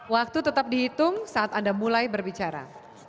waktu tetap dihitung saat anda mulai berbicara